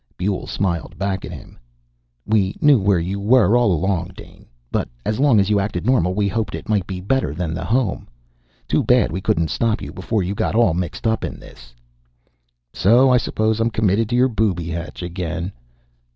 Buehl smiled back at him. "We knew where you were all along, Dane. But as long as you acted normal, we hoped it might be better than the home. Too bad we couldn't stop you before you got all mixed up in this." "So I suppose I'm committed to your booby hatch again?"